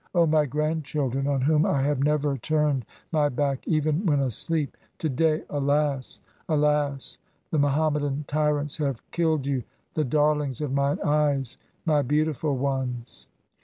O my grandchildren, on whom I have never turned my back even when asleep. To day, alas ! alas ! the Muhammadan tyrants have killed you, the darlings of mine eyes, my beautiful ones.